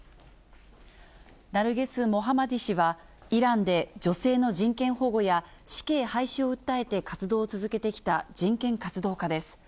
ナルゲス・モハマディ氏は、イランで女性の人権保護や死刑廃止を訴えて、活動を続けてきた人権活動家です。